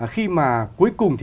khi mà cuối cùng